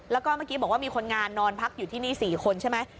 แล้วก็เมื่อกี้บอกว่ามีคนงานนอนพักอยู่ที่นี่๔คนใช่ไหม